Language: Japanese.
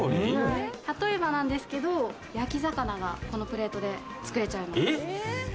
例えばですが、焼き魚がこのプレートで作れちゃいます。